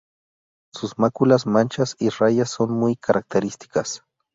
Sus máculas, manchas y rayas son muy características.